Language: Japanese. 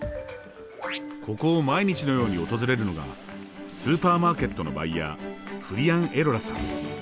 ここを毎日のように訪れるのがスーパーマーケットのバイヤーフリアン・エロラさん。